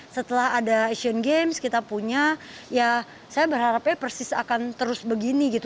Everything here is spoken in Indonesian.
setelah ada asian games kita punya ya saya berharapnya persis akan terus begini gitu